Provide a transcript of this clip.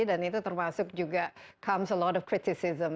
dan itu termasuk juga datang banyak kritik